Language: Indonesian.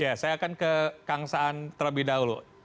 ya saya akan ke kang saan terlebih dahulu